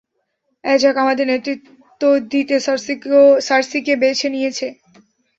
অ্যাজাক আমাদের নেতৃত্ব দিতে সার্সিকে বেছে নিয়েছে।